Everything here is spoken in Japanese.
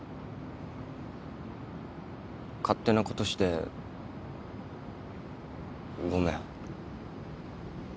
勝手なことしてごめん。